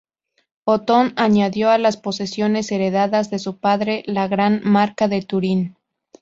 Otón añadió a las posesiones heredadas de su padre la gran Marca de Turín.